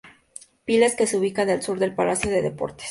Piles, que se ubica al sur del palacio de deportes.